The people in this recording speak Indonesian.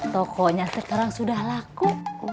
tokonya sekarang sudah laku